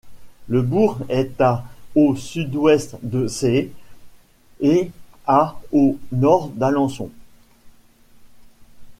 Le bourg est à au sud-ouest de Sées et à au nord d'Alençon.